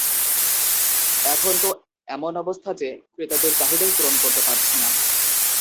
এখন তো এমন অবস্থা যে, ক্রেতাদের চাহিদাই পূরণ করতে পারছি না।